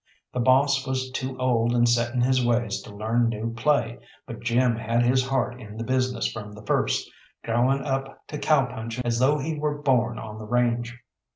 The boss was too old and set in his ways to learn new play, but Jim had his heart in the business from the first, growing up to cow punching as though he were born on the range.